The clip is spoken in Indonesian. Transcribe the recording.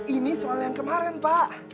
ini soal yang kemarin pak